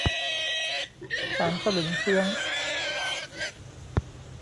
สามสลึงเฟื้อง